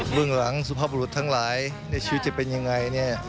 เรื่องหลังสุภาพบุรุษทั้งหลายในชีวิตจะเป็นยังไง